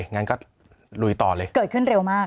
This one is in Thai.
งั้นก็ลุยต่อเลยเกิดขึ้นเร็วมาก